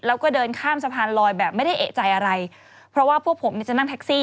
แล้วก็เดินข้ามสะพานรอยแบบไม่ได้เอกใจอะไร